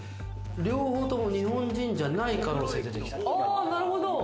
両方とも日本人じゃない可能性が出てきた。